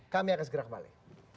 kami akan segera kembali